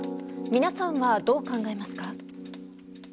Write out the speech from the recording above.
皆さんは、どう考えますか。